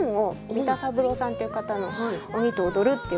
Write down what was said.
三田三郎さんっていう方の「鬼と踊る」っていう歌集。